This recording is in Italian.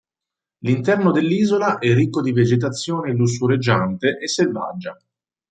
L'interno dell'isola è ricco di vegetazione lussureggiante e selvaggia.